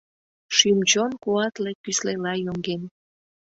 Шӱм-чон куатле кӱслела йоҥген.